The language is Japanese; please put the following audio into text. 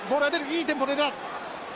いいテンポで出た！